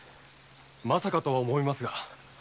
まさかとは思いますが。